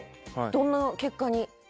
どんな結果に？